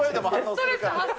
ストレス発散。